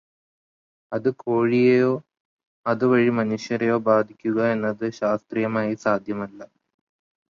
അത് കോഴിയെയോ, അത് വഴി മനുഷ്യരെയോ ബാധിക്കുക എന്നത് ശാസ്ത്രീയമായി സാധ്യമല്ല.